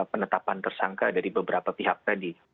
penetapan tersangka dari beberapa pihak tadi